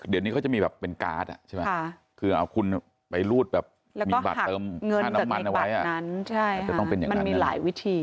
เดี๋ยวนี้ก็จะมีแบบเป็นการ์ดอ่ะ